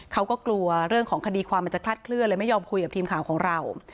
เขาก็กลัวเรื่องของคดีความมันจะคลาดเคลื่อนเลยไม่ยอมคุยกับทีมข่าวของเรา